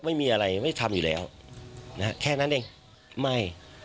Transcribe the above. ไม่มีอะไรไม่ทำอยู่แล้วนะฮะแค่นั้นเองไม่